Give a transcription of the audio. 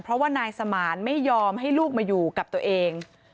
เพราะว่านายสมานไม่ยอมให้ลูกมาอยู่กับตัวเอง